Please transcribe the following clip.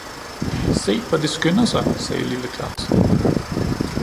"Se, hvor det skynder sig!" sagde lille Claus.